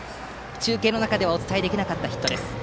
中継の中ではお伝えできなかったヒットです。